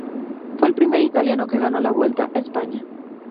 Fue el primer italiano que ganó la Vuelta a España.